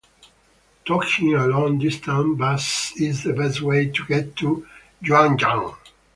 Taking a long-distance bus is the best way to get to Yuanyang.